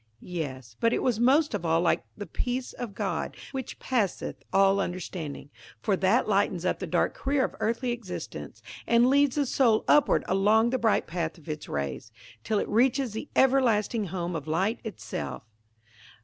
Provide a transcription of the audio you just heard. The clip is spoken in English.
Yes; but it was most of all like "the peace of God, which passeth all understanding;" for that lightens up the dark career of earthly existence, and leads the soul upward along the bright path of its rays, till it reaches the everlasting home of light itself.